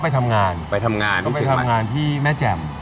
ไปทำงานที่แม่แจ่ม